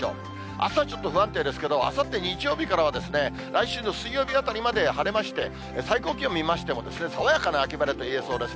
あすはちょっと不安定ですけど、あさって日曜日からは来週の水曜日あたりまで晴れまして、最高気温見ましても、爽やかな秋晴れと言えそうです。